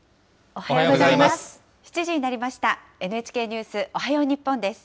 おはようございます。